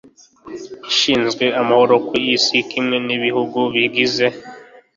ishinzwe amahoro ku isi kimwe n'ibihugu bigize